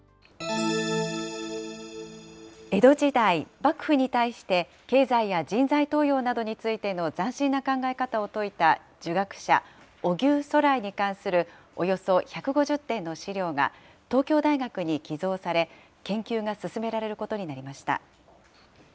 江戸時代、幕府に対して経済や人材登用などについての斬新な考え方を説いた儒学者、荻生徂徠に関するおよそ１５０点の資料が、東京大学に寄贈され、研究が進められることになりました。